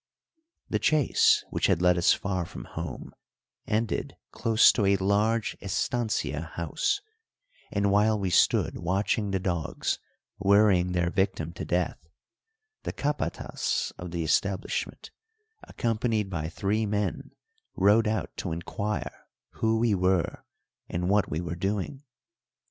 The chase, which had led us far from home, ended close to a large estancia house, and while we stood watching the dogs worrying their victim to death, the capatas of the establishment, accompanied by three men, rode out to inquire who we were, and what we were doing.